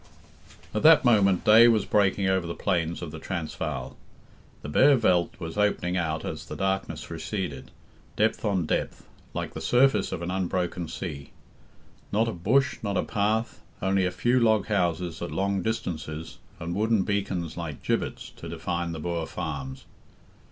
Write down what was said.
XII. At that moment day was breaking over the plains of the Transvaal. The bare Veldt was opening out as the darkness receded, depth on depth, like the surface of an unbroken sea. Not a bush, not a path, only a few log houses at long distances and wooden beacons like gibbets to define the Boer farms.